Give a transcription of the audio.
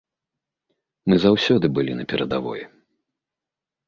Мы заўсёды былі на перадавой.